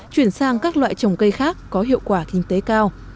chuyển sang các loại trồng cây khác có hiệu quả kinh tế cao